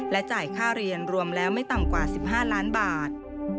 จ่ายค่าเรียนรวมแล้วไม่ต่ำกว่า๑๕ล้านบาท